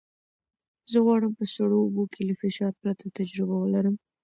زه غواړم په سړو اوبو کې له فشار پرته تجربه ولرم.